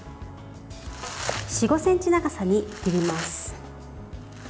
４５ｃｍの長さに切ります。